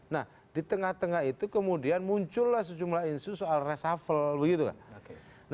nah di tengah tengah itu kemudian muncullah sejumlah isu soal reshuffle begitu kan